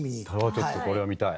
ちょっとこれは見たい。